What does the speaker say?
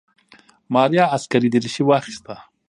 ماريا عسکري دريشي واخيسته.